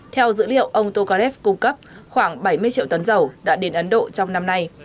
theo dữ liệu ông tukharev cung cấp khoảng bảy mươi triệu tấn dầu đã đến ấn độ trong năm nay